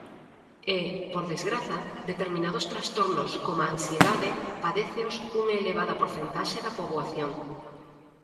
E, por desgraza, determinados trastornos como a ansiedade padéceos unha elevada porcentaxe da poboación.